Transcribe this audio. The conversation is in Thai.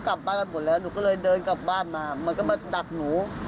บ้านพี่ชายแล้วตอนนี้เขาก็กระทืบหนู